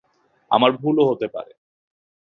আমার ভুলও হতে পারে।